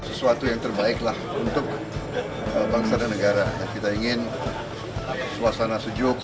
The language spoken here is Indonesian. sesuatu yang terbaik lah untuk bangsa dan negara kita ingin suasana sejuk